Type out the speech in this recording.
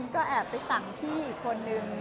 ก็แอบไปสั่งพี่อีกคนนึง